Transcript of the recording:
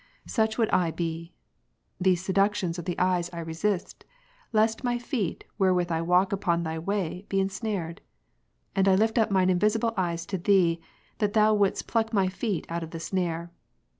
Such would I be. These seductions of the eyes I resist, lest my feet wherewith I walk upon Thy way be ensnared ; and I lift up mine invisible eyes to Thee, Ps. 25, that Thou wouldest joZmcA; my feet out of the snare.